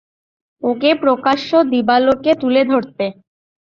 ওকে প্রকাশ্য দিবালোকে তুলে ধরতে।